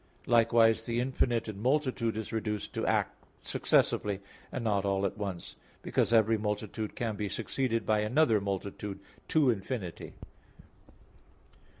Likewise the infinite in multitude is reduced to act successively, and not all at once; because every multitude can be succeeded by another multitude to infinity.